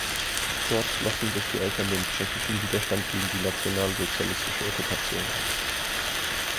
Dort schlossen sich die Eltern dem tschechischen Widerstand gegen die nationalsozialistische Okkupation an.